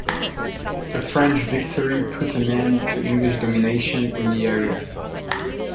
The French victory put an end to English domination in the area.